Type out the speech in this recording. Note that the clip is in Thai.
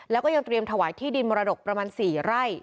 แล้วก็ยังเตรียมถวายที่ดินมรดกประมาณ๔ไร่